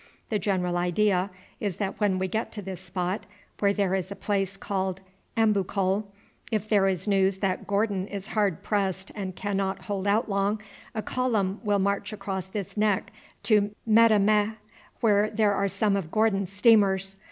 The general idea is that when we get to this spot, where there is a place called Ambukol, if there is news that Gordon is hard pressed and cannot hold out long, a column will march across this neck to Metemmeh, where there are some of Gordon's steamers.